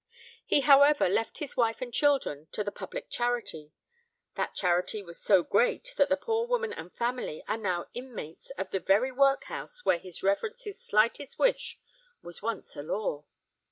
He, however, left his wife and children to the public charity. That charity was so great, that the poor woman and family are now inmates of the very workhouse where his reverence's slightest wish was once a law.